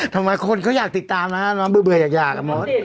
ทำไมคนเค้าอยากติดตามนะบื้ออยาก